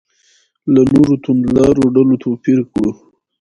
له نورو توندلارو ډلو توپیر کړو.